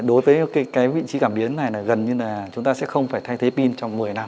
đối với cái vị trí cảm biến này là gần như là chúng ta sẽ không phải thay thế pin trong một mươi năm